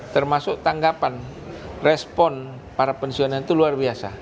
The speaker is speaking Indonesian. termasuk tanggapan respon para pensiunan itu luar biasa